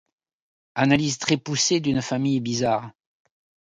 Analyse très poussée d'une famille bizarre.